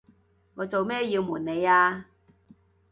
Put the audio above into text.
我做咩要暪你呀？